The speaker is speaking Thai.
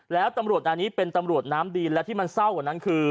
แล้วตำรวจอันนี้เป็นตำรวจน้ำดีและที่มันเศร้ากว่านั้นคือ